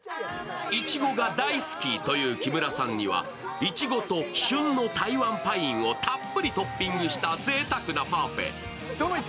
いちごが大好きという木村さんには、いちごと旬の台湾パインをたっぷりトッピングしたぜいたくなパフェ。